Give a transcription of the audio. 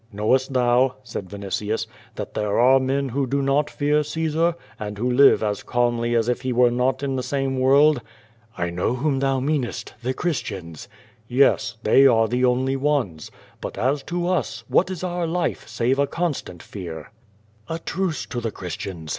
'^ "Knowest thou," said Vinitius, "that there are men who do not fear Caesar, and who live as calmly as if he were not in the same world?" 'T know whom thou meanest — ^the Christians." ^TTes. They are the only ones. But as to us, what is our life save a constant fear?" "A truce to the Christians.